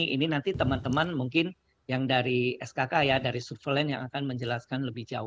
ini nanti teman teman mungkin yang dari skk ya dari superland yang akan menjelaskan